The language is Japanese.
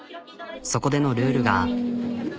そこでのルールが。